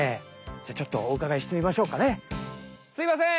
じゃあちょっとおうかがいしてみましょうかね。すいません。